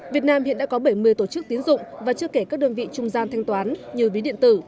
việt nam hiện đã có bảy mươi tổ chức tiến dụng và chưa kể các đơn vị trung gian thanh toán như ví điện tử